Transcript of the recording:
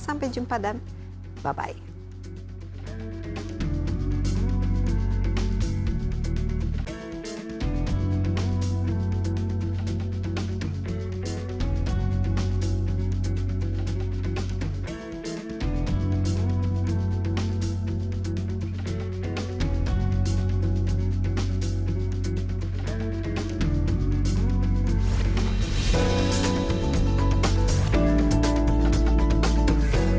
sampai jumpa dan bye bye